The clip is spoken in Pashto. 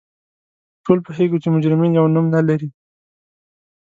ټول پوهیږو چې مجرمین یو نوم نه لري